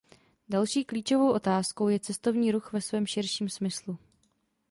Další klíčovou otázkou je cestovní ruch ve svém širším smyslu.